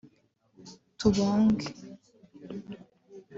‘Tubonge’